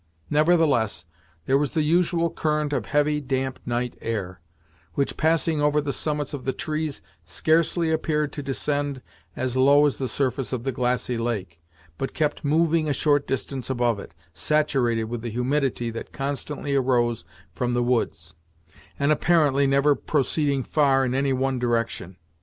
Nevertheless, there was the usual current of heavy, damp night air, which, passing over the summits of the trees, scarcely appeared to descend as low as the surface of the glassy lake, but kept moving a short distance above it, saturated with the humidity that constantly arose from the woods, and apparently never proceeding far in any one direction.